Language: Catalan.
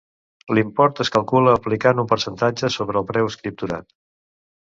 L'import es calcula aplicant un percentatge sobre el preu escripturat.